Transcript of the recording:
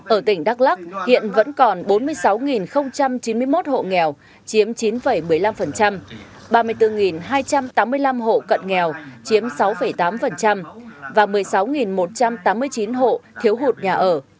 ở tỉnh đắk lắc hiện vẫn còn bốn mươi sáu chín mươi một hộ nghèo chiếm chín một mươi năm ba mươi bốn hai trăm tám mươi năm hộ cận nghèo chiếm sáu tám và một mươi sáu một trăm tám mươi chín hộ thiếu hụt nhà ở